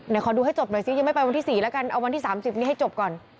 เดี๋ยวขอดูให้จบหน่อยซิยังไม่ไปวันที่๔แล้วกันเอาวันที่๓๐นี้ให้จบก่อน